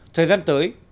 thời gian tới